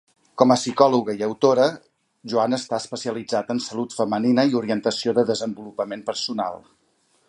Com a psicòloga i autora, Joan està especialitzat en salut femenina i orientació de desenvolupament personal.